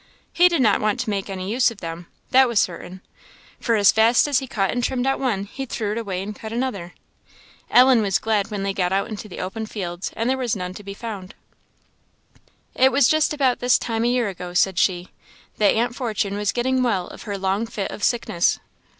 He did not want to make any use of them that was certain, for as fast as he cut and trimmed out one he threw it away and cut another. Ellen was glad when they got out into the open fields where there were none to be found. "It is just about this time a year ago," said she, "that Aunt Fortune was getting well of her long fit of sickness."